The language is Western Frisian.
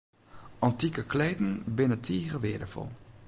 Antike kleden binne tige weardefol.